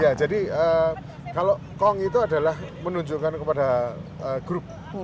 ya jadi kalau kong itu adalah menunjukkan kepada grup